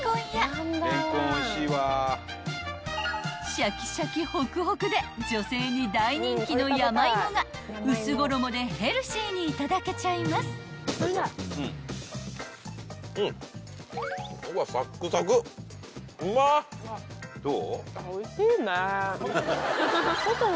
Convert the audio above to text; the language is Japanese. ［シャキシャキホクホクで女性に大人気の山芋が薄衣でヘルシーにいただけちゃいます］どう？